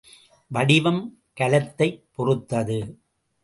வடிவம் கலத்தைப் பொறுத்தது.